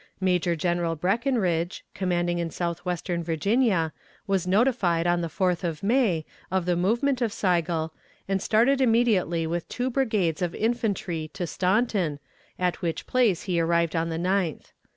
Major General Breckinridge, commanding in southwestern Virginia, was notified, on the 4th of May, of the movement of Sigel, and started immediately with two brigades of infantry to Staunton, at which place he arrived on the 9th.